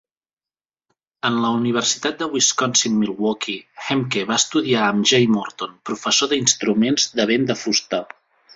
En la Universitat de Wisconsin-Milwaukee, Hemke va estudiar amb Jay Morton, professor de instruments de vent de fusta.